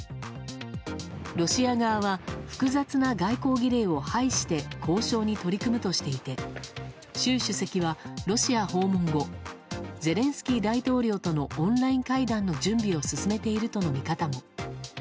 ロシア側は複雑な外交儀礼を排して交渉に取り組むとしていて習主席はロシア訪問後ゼレンスキー大統領とのオンライン会談の準備を進めているとの見方も。